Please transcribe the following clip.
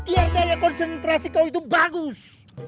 yang gaya konsentrasi kau itu bagus